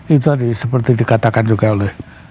itu tadi seperti dikatakan juga oleh